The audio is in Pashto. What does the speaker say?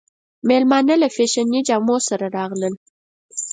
مېلمانه له فېشني جامو سره راغلل.